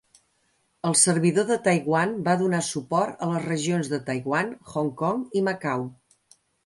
El servidor de Taiwan va donar suport a les regions de Taiwan, Hong Kong i Macau.